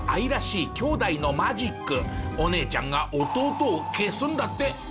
続いてはお姉ちゃんが弟を消すんだって。